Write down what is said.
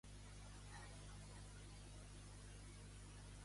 Em podria portar el menjar a casa el Woki d'aquí al costat?